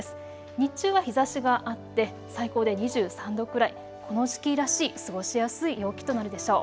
日中は日ざしがあって最高で２３度くらい、この時期らしい過ごしやすい陽気となるでしょう。